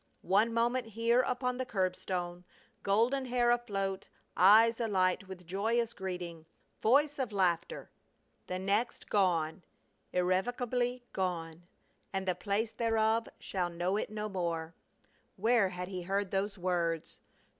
One moment here upon the curbstone, golden hair afloat, eyes alight with joyous greeting, voice of laughter; the next gone, irrevocably gone, "and the place thereof shall know it no more," Where had he heard those words?